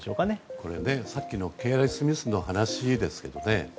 これ、さっきのケアレスミスの話ですけどね